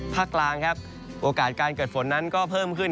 ภาคกลางครับโอกาสการเกิดฝนนั้นก็เพิ่มขึ้น